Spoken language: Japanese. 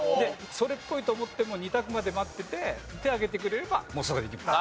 それっぽいと思っても２択まで待ってて手挙げてくれればもうそこでいきます。